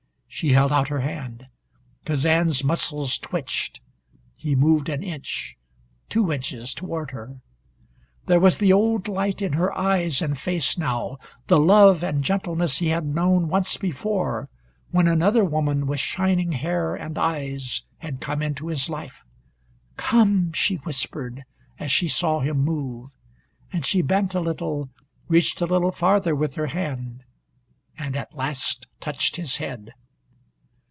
She held out her hand. Kazan's muscles twitched. He moved an inch two inches toward her. There was the old light in her eyes and face now, the love and gentleness he had known once before, when another woman with shining hair and eyes had come into his life. "Come!" she whispered as she saw him move, and she bent a little, reached a little farther with her hand, and at last touched his head.